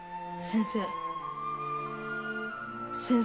先生。